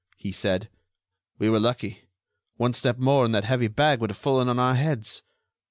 He said: "We were lucky; one step more, and that heavy bag would have fallen on our heads.